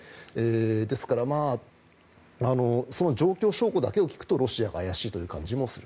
ですからその状況証拠だけを聞くとロシアが怪しいという感じもする。